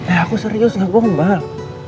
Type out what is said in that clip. eh aku serius gak bongbal